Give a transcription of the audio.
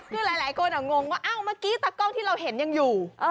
คือหลายคนงงว่าอ้าวเมื่อกี้ตากล้องที่เราเห็นยังอยู่